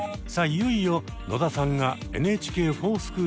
いよいよ野田さんが「ＮＨＫｆｏｒＳｃｈｏｏｌ」